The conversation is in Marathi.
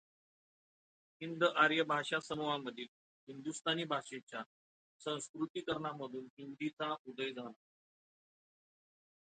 हिंद आर्य भाषासमूहामधील हिंदुस्तानी भाषेच्या संस्कृतीकरणामधून हिंदीचा उदय झाला.